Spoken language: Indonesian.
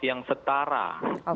yang setara yang tuntas